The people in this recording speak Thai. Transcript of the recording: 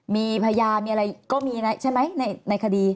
มีพยานมีอะไรก็มีใช่ไหมในคดี